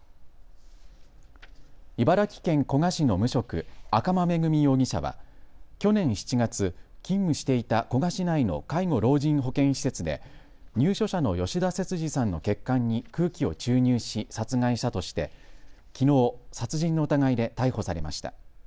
茨城県古河市の無職、赤間恵美容疑者は去年７月、勤務していた古河市内の介護老人保健施設で入所者の吉田節次さんの血管に空気を注入し殺害したとしてきのう、殺人の疑いで逮捕されました。